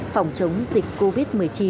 phòng chống dịch covid một mươi chín